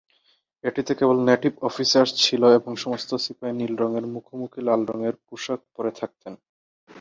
এটিতে কেবল native officer ছিল এবং সমস্ত সিপাহী নীল রঙের মুখোমুখি লাল রঙের পোশাক পরে থাকতেন।